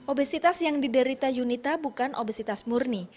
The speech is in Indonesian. obesitas yang diderita yunita bukan obesitas murni